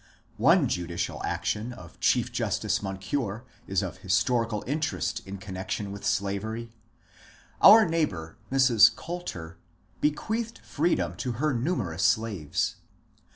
One judicial action of Chief Justice Moncure is of histori cal interest in connection with slavery. Our neighbour Mrs. Coalter bequeathed freedom to her numerous slaves.